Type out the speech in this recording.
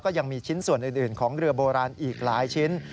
ยังมีชิ้นส่วนอื่นของเรือโบราณอีกหลายชิ้น